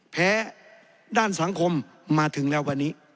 ด้านสังคมมาถึงแล้ววันนี้